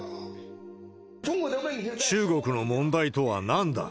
中国の問題とはなんだ？